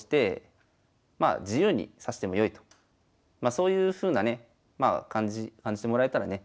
そういうふうなね感じてもらえたらね